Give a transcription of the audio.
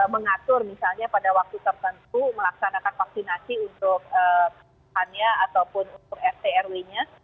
mengatur misalnya pada waktu tertentu melaksanakan vaksinasi untuk hanya ataupun untuk rt rw nya